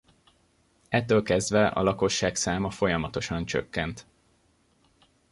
Ettől kezdve a lakosság száma folyamatosan csökkent.